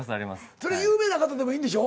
それは有名な方でもいいんでしょ？